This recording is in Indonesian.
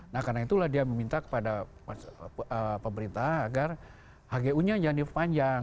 nah karena itulah dia meminta kepada pemerintah agar hgu nya jangan diperpanjang